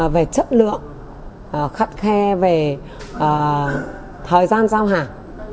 về chất lượng khắt khe về thời gian giao hàng